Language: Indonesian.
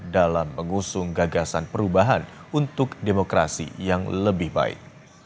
dalam mengusung gagasan perubahan untuk demokrasi yang lebih baik